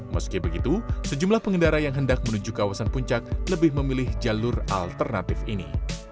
meski begitu sejumlah pengendara yang hendak menuju kawasan puncak lebih memilih jalur alternatif ini